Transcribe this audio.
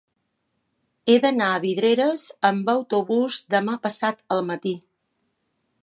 He d'anar a Vidreres amb autobús demà passat al matí.